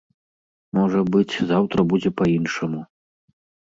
Можа быць, заўтра будзе па-іншаму.